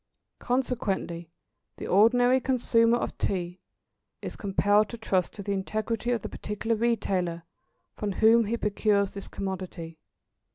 Consequently, the ordinary consumer of Tea is compelled to trust to the integrity of the particular retailer from whom he procures this commodity.